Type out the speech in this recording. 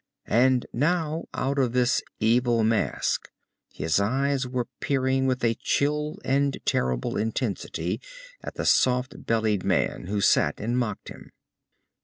And now, out of this evil mask, his eyes were peering with a chill and terrible intensity at the soft bellied man who sat and mocked him.